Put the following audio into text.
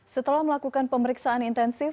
setelah melakukan pemeriksaan intensif